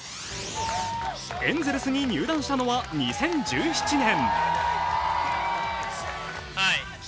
エンゼルスに入団したのは２０１７年。